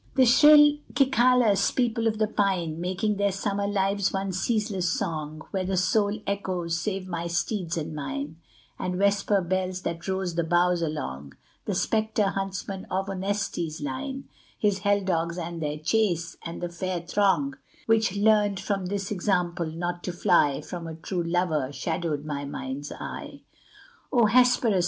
The shrill cicalas, people of the pine, Making their summer lives one ceaseless song, Were the sole echoes, save my steed's and mine, And vesper bells that rose the boughs along: The spectre huntsman of Onesti's line, His hell dogs and their chase, and the fair throng Which learned from this example not to fly From a true lover shadowed my mind's eye. O Hesperus!